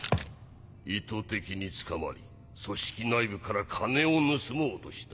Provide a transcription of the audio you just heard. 意図的に捕まり組織内部から金を盗もうとした。